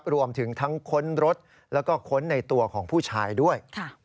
รวมถึงทั้งค้นรถแล้วก็ค้นในตัวของผู้ชายด้วย